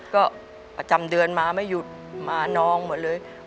ก็ประจำเดือนมาไม่หยุดมาน้องหมดเลย